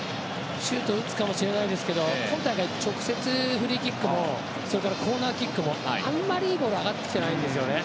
シュートを打つかもしれないですけど今大会は直接フリーキックもコーナーキックもあんまりいいのが上がってきてないんですよね。